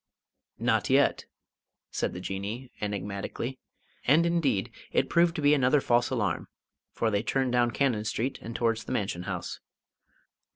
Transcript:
"Not yet," said the Jinnee, enigmatically, and indeed it proved to be another false alarm, for they turned down Cannon Street and towards the Mansion House.